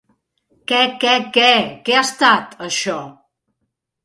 Què què què, què ha estat, això?